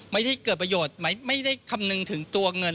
ไม่ได้เกิดประโยชน์ไม่ได้คำนึงถึงตัวเงิน